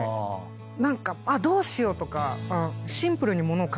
何かどうしようとか。